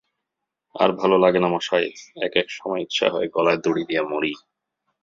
আর ভালো লাগে না মশায়, এক-এক সময় ইচ্ছা হয় গলায় দড়ি দিয়ে মরি!